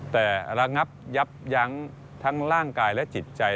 แต่ระงับยับยั้งทั้งร่างกายและจิตใจ